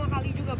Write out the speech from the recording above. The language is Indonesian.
ini janggut hitam